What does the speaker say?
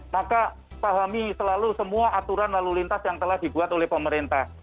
maka pahami selalu semua aturan lalu lintas yang telah dibuat oleh pemerintah